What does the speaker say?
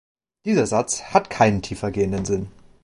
Dieser Satz hat keinen tiefergehenden Sinn.